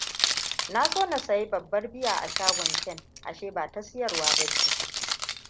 Na so na sayi babbar bear a shagon Ken, ashe ba ta siyarwa bace.